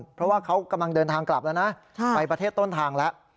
เพราะว่าเขากำลังเดินทางกลับแล้วนะไปประเทศต้นทางแล้ว